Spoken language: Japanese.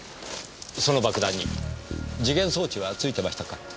その爆弾に時限装置は付いてましたか？